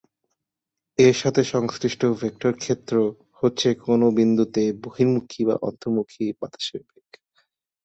এর সাথে সংশ্লিষ্ট ভেক্টর ক্ষেত্র হচ্ছে কোন বিন্দুতে বহির্মুখী বা অন্তর্মুখী বাতাসের বেগ।